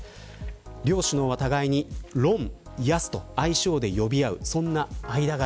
両首脳は互いに、ロン、ヤスと愛称で呼び合うそんな間柄。